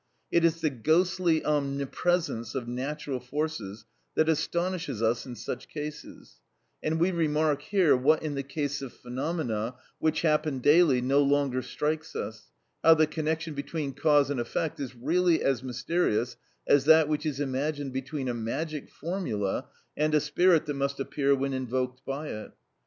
It is the ghostly omnipresence of natural forces that astonishes us in such cases, and we remark here what in the case of phenomena which happen daily no longer strikes us, how the connection between cause and effect is really as mysterious as that which is imagined between a magic formula and a spirit that must appear when invoked by it.